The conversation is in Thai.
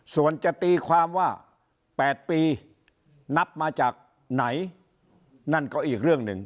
ส่วนจะตีความว่า๘ปีนับมาจากไหนนั่นก็อีกเรื่องหนึ่ง